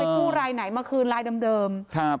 ผู้รายไหนมาคืนลายเดิม